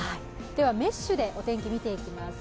メッシュでお天気、見ていきます